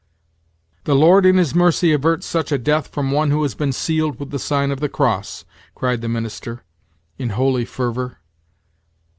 "The Lord in his mercy avert such a death from one who has been sealed with the sign of the cross!" cried the minister, in holy fervor.